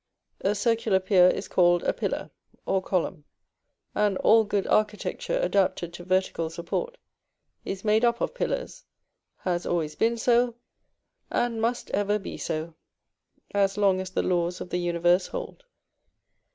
A circular pier is called a pillar or column, and all good architecture adapted to vertical support is made up of pillars, has always been so, and must ever be so, as long as the laws of the universe hold.